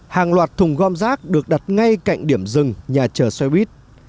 hàng loạt thùng gom rác được đặt ngay cạnh điểm rừng nhà chờ xe buýt